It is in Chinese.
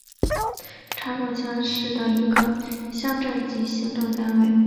查孜乡是的一个乡镇级行政单位。